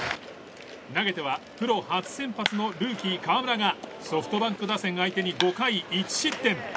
投げてはプロ初先発のルーキー、河村がソフトバンク打線相手に５回１失点。